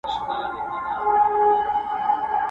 د غرمې پر مهال ږغ د نغارو سو!!